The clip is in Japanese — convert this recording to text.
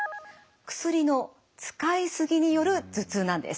薬の使いすぎによる頭痛なんです。